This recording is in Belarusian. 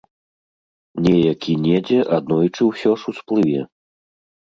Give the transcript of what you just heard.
Неяк і недзе аднойчы ўсё ж усплыве.